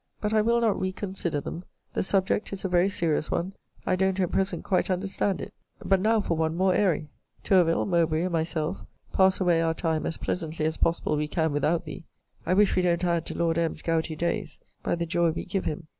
But I will not reconsider them. The subject is a very serious one. I don't at present quite understand it. But now for one more airy. Tourville, Mowbray, and myself, pass away our time as pleasantly as possibly we can without thee. I wish we don't add to Lord M.'s gouty days by the joy we give him.